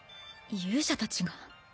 勇者たちが？